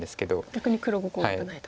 逆に黒５個が危ないと。